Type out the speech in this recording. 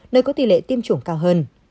nơi có tỉ lệ tiêm chủng cao hơn